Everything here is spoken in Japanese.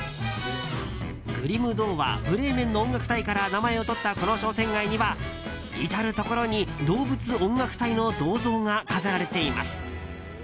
グリム童話「ブレーメンの音楽隊」から名前をとった、この商店街には至るところに動物音楽隊の銅像が飾られています。